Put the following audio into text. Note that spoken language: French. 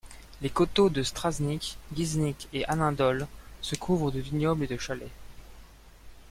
Les coteaux de Straznik, Giznik et Anindol se couvrent de vignobles et de chalets.